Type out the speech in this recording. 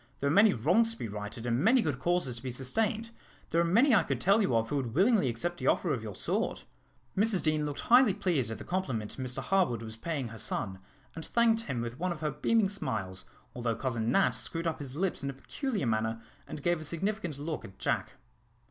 There are many wrongs to be righted, and many good causes to be sustained. There are many I could tell you of who would willingly accept the offer of your sword." Mrs Deane looked highly pleased at the compliment Mr Harwood was paying her son, and thanked him with one of her beaming smiles, although Cousin Nat screwed up his lips in a peculiar manner and gave a significant look at Jack.